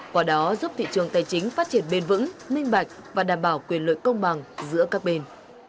quả đó giúp thị trường tài chính phát triển bền vững minh bạch và đảm bảo quyền lợi công bằng giữa các bên